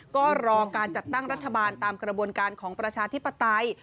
ก็รอการจัดตั้งรัฐบาลตามกระบวนการของประชาธิปไตย